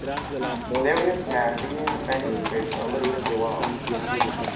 Various Mandaean manuscripts are listed below.